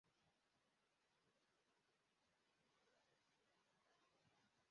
Ibirahuri bitatu bishyushye byuzura hasi